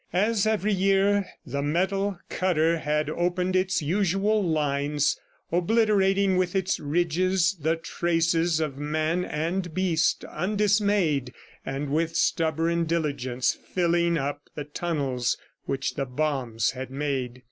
As every year, the metal cutter had opened its usual lines, obliterating with its ridges the traces of man and beast, undismayed and with stubborn diligence filling up the tunnels which the bombs had made.